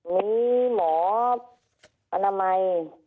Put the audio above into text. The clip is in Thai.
มีหมออนามัย